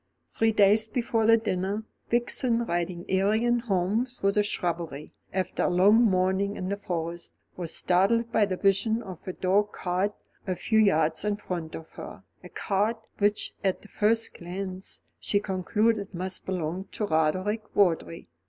Three days before the dinner, Vixen, riding Arion home through the shrubbery, after a long morning in the Forest, was startled by the vision of a dog cart a few yards in front of her, a cart, which, at the first glance, she concluded must belong to Roderick Vawdrey.